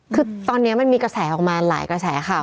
คือตอนนี้มันมีกระแสออกมาหลายกระแสข่าว